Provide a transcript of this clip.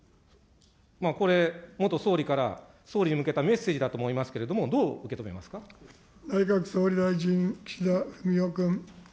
これ、元総理から総理に向けたメッセージだと思いますけれども、どう受内閣総理大臣、岸田文雄君。